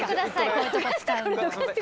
こういうとこ使うの。